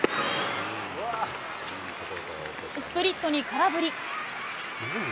スプリットに空振り。